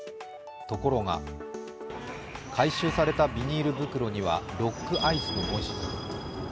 ところが回収されたビニール袋にはロックアイスの文字。